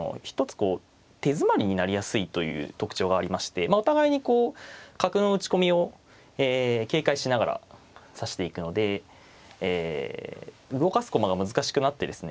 こう手詰まりになりやすいという特徴がありましてお互いにこう角の打ち込みを警戒しながら指していくので動かす駒が難しくなってですね